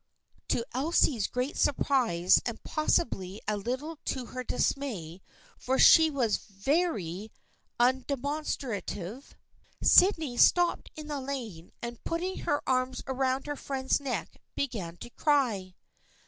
To Elsie's great surprise and possibly a little to her dismay, for she was very undemonstrative, 114 THE FRIENDSHIP OF ANNE Sydney stopped in the lane and putting her arms around her friend's neck, began to cry.